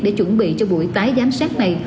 để chuẩn bị cho buổi tái giám sát này